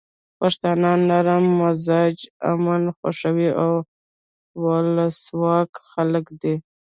پښتانه نرم مزاجه، امن خوښي او ولسواک خلک دي.